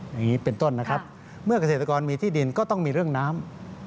อย่างนี้เป็นต้นนะครับเมื่อเกษตรกรมีที่ดินก็ต้องมีเรื่องน้ำ